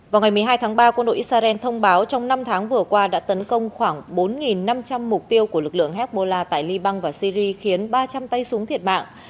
vào ngày một mươi hai tháng ba quân đội israel thông báo trong năm tháng vừa qua đã tấn công khoảng bốn năm trăm linh mục tiêu của lực lượng hezbollah tại liban và syri khiến ba trăm linh tay súng thiệt mạng